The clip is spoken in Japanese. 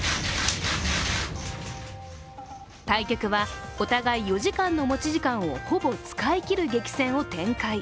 対局はお互い４時間の持ち時間をほぼ使い切る激戦を展開。